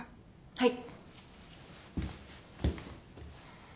はい。